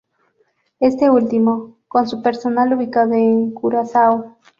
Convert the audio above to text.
Este último, con su personal ubicado en Curazao.